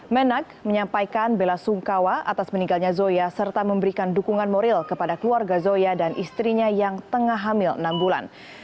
menak menyampaikan bela sungkawa atas meninggalnya zoya serta memberikan dukungan moral kepada keluarga zoya dan istrinya yang tengah hamil enam bulan